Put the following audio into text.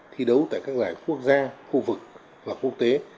thi đấu tại các giải quốc gia khu vực và quốc tế